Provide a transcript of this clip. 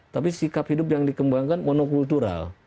tapi sikap hidup yang dikembangkan monokultural